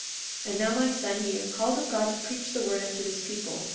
42:31 And now, O my son, ye are called of God to preach the word unto this people.